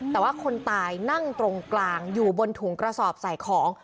แต่ว่าคนตายนั่งตรงกลางอยู่บนถุงกระสอบใส่ของ